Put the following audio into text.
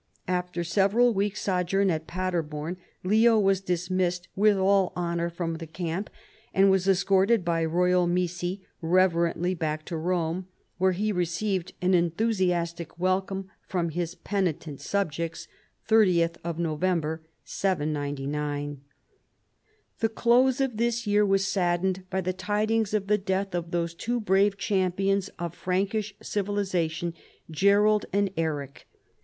After several weeks' sojourn at Paderborn, Leo was dismissed with all honor from the camp and was escorted by royal missi reverently back to Rome, where he received an enthusiastic welcome from his penitent subjects (30th November, 799). The close of this year was saddened by the tidings of the death of those two brave champions of Prankish civilization, Gerold and Eric.